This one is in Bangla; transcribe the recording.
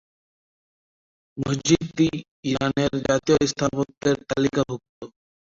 মসজিদটি ইরানের জাতীয় স্থাপত্যের তালিকাভুক্ত।